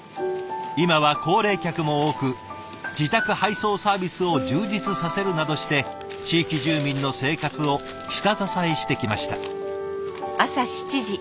今は高齢客も多く自宅配送サービスを充実させるなどして地域住民の生活を下支えしてきました。